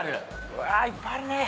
うわいっぱいあるね。